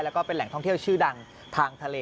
แล้วก็เป็นแหล่งท่องเที่ยวชื่อดังทางทะเล